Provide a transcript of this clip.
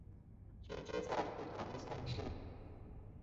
居住在不同县市